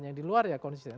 yang di luar ya konsisten